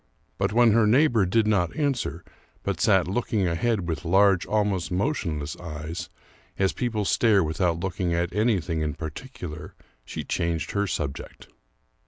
But when her neighbor did not answer, but sat looking ahead with large, almost motionless eyes, as people stare without looking at anything in particular, she changed her subject.